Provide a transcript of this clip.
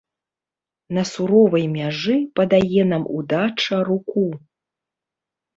На суровай мяжы падае нам удача руку.